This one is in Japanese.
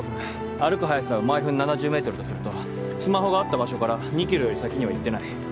歩く速さを毎分７０メートルとするとスマホがあった場所から２ｋｍより先には行ってない。